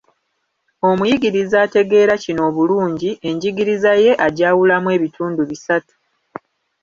Omuyigiriza ategeera kino obulungi, enjigiriza ye agyawulamu ebitundu bisatu.